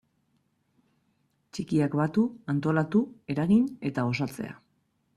Txikiak batu, antolatu, eragin eta gozatzea.